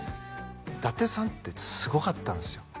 伊達さんってすごかったんですよ